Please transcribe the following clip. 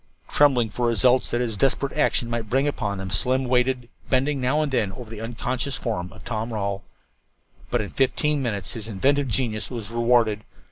Trembling for the results that his desperate action might bring upon them, Slim waited, bending now and then over the unconscious form of Tom Rawle. But in fifteen more minutes his inventive genius was rewarded.